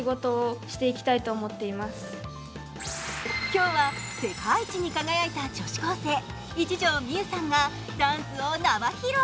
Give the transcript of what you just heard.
今日は、世界一に輝いた女子高生、一条未悠さんがダンスを生披露。